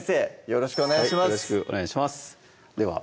よろしくお願いします